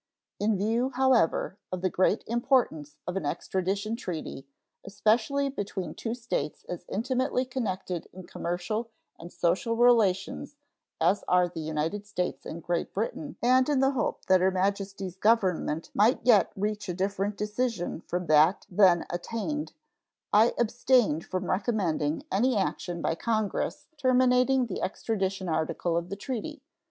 In view, however, of the great importance of an extradition treaty, especially between two states as intimately connected in commercial and social relations as are the United States and Great Britain, and in the hope that Her Majesty's Government might yet reach a different decision from that then attained, I abstained from recommending any action by Congress terminating the extradition article of the treaty.